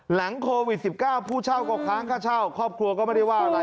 หลังโควิด๑๙ผู้เช่าก็ค้างค่าเช่าครอบครัวก็ไม่ได้ว่าอะไร